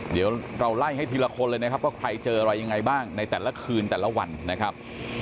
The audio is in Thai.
เดี๋ยวเราไล่ให้ทีละคนเลยนะครับว่าใครเจออะไรยังไงบ้างในแต่ละคืนแต่ละวันนะครับ